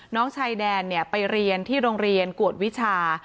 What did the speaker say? น้องชายแดนไปเรียนที่โรงเรียนกวดวิชา